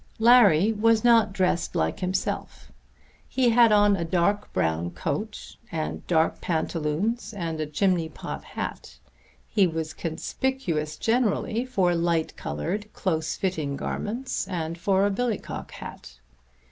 Larry was not dressed like himself. He had on a dark brown coat, and dark pantaloons and a chimney pot hat. He was conspicuous generally for light coloured close fitting garments and for a billycock hat.